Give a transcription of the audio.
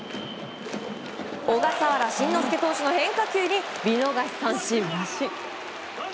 小笠原慎之介投手の変化球に見逃し三振。